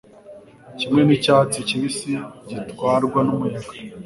kimwe nicyatsi kibisi gitwarwa numuyaga